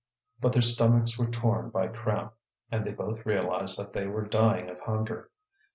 But their stomachs were torn by cramp, and they both realized that they were dying of hunger.